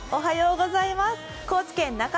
おはようございます。